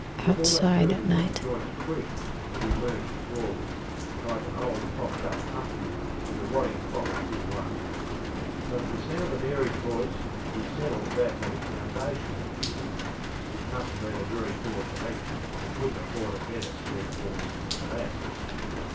You almost heard the wooden joints creak as he lurched forward, like an old propped up humpy when the rotting props give way; but at the sound of MaryŌĆÖs voice he settled back on his foundations again. It must have been a very poor selection that couldnŌĆÖt afford a better spare horse than that.